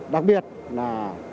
đặc biệt là